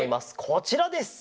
こちらです。